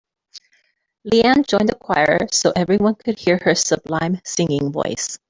Leanne joined a choir so everyone could hear her sublime singing voice.